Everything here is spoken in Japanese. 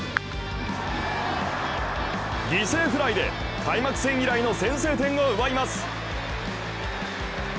犠牲フライで開幕戦以来の先制点を奪います。